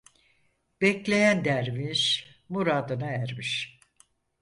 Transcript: Bekleyen derviş muradına ermiş.